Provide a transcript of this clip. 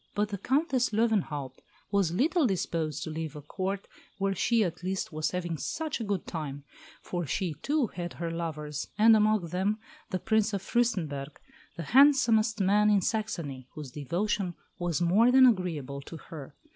But the Countess Löwenhaupt was little disposed to leave a Court where she at least was having such a good time; for she, too, had her lovers, and among them the Prince of Fürstenberg, the handsomest man in Saxony, whose devotion was more than agreeable to her.